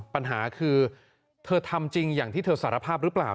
ปัญหาคือเธอทำจริงอย่างที่เธอสารภาพหรือเปล่า